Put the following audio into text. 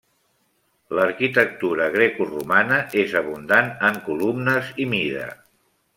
L'arquitectura grecoromana és abundant en columnes i mida.